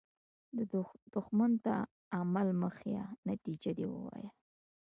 دښمن ته عمل مه ښیه، نتیجه دې ووایه